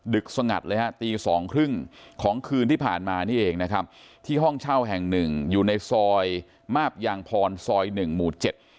สงัดเลยฮะตีสองครึ่งของคืนที่ผ่านมานี่เองนะครับที่ห้องเช่าแห่งหนึ่งอยู่ในซอยมาบยางพรซอยหนึ่งหมู่เจ็ด